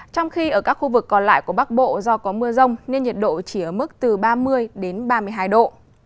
trong khi ở các khu vực còn lại của bắc bộ do có mưa rông nên nhiệt độ chỉ ở mức từ ba mươi đến ba mươi hai độ